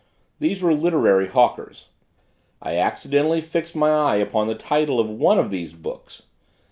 These were literary hawkers. I accidentally fixed my eye upon the title of one of these books.